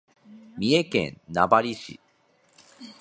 三重県名張市